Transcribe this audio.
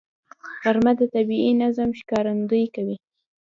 غرمه د طبیعي نظم ښکارندویي کوي